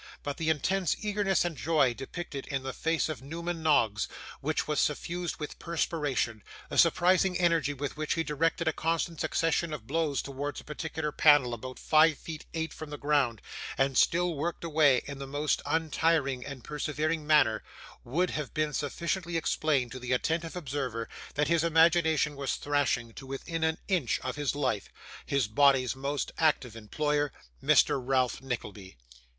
But the intense eagerness and joy depicted in the face of Newman Noggs, which was suffused with perspiration; the surprising energy with which he directed a constant succession of blows towards a particular panel about five feet eight from the ground, and still worked away in the most untiring and persevering manner, would have sufficiently explained to the attentive observer, that his imagination was thrashing, to within an inch of his life, his body's most active employer, Mr. Ralph Nickleby.